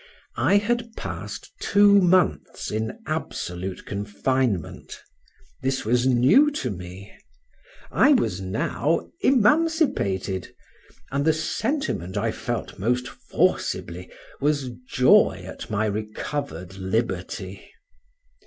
I had passed two months in absolute confinement; this was new to me; I was now emancipated, and the sentiment I felt most forcibly, was joy at my recovered liberty.